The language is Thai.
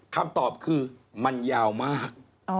คำตอบคือมันยาวมาก